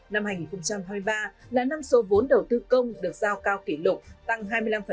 năm hai nghìn hai mươi ba là năm số vốn đầu tư công được giao cao kỷ lục tăng hai mươi năm